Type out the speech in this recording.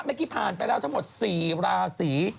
เมื่อกี้ผ่านไปแล้วทั้งหมด๔ราศี